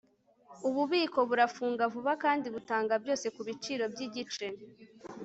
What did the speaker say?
ububiko burafunga vuba kandi butanga byose kubiciro byigice